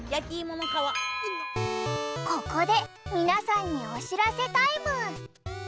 ここで皆さんにお知らせタイム！